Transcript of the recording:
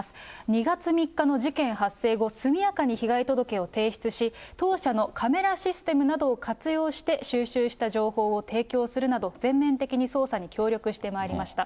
２月３日の事件発生後、速やかに被害届を提出し、当社のカメラシステムなどを活用して収集した情報を提供するなど、全面的に捜査に協力してまいりました。